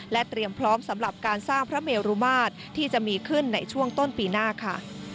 เตรียมพร้อมสำหรับการสร้างพระเมรุมาตรที่จะมีขึ้นในช่วงต้นปีหน้าค่ะ